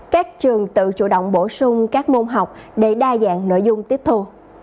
các trường tự chủ động bổ sung các môn học để đa dạng nội dung tiếp thu